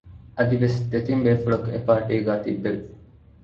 އަދިވެސް ދެތިން ބޭފުޅަކު އެޕާޓީގައި ތިއްބެވި